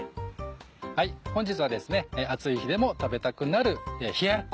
本日はですね暑い日でも食べたくなる冷ややっこ。